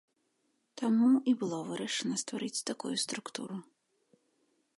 Таму і было вырашана стварыць такую структуру.